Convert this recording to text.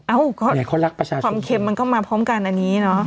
อ้าวก็ความเค็มมันก็มาพร้อมกันอันนี้เนอะ